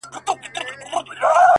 زه په دې خپل سركــي اوبـــه څـــښـمــه!